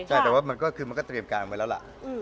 ใช่แต่มันก็เตรียมการไว้แล้วล่ะ